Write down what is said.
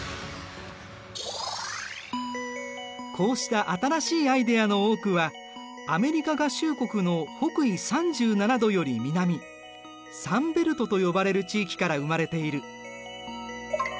こうした新しいアイデアの多くはアメリカ合衆国の北緯３７度より南サンベルトと呼ばれる地域から生まれている。